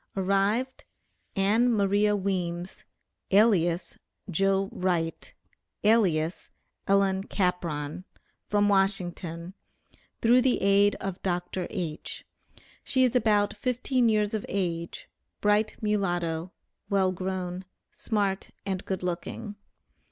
Arrived, Ann Maria Weems, alias 'Joe Wright,' alias 'Ellen Capron,' from Washington, through the aid of Dr. H. She is about fifteen years of age, bright mulatto, well grown, smart and good looking.